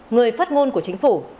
người phát ngôn của chính phủ